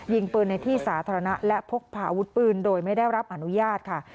ยิงปืนในที่สาธารณะและพกพาอาวุธปืนโดยไม่ได้รับอนุญาตค่ะ